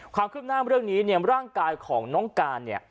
ความคืบหน้าเรื่องนี้เนี่ยร่างกายของน้องการเนี่ย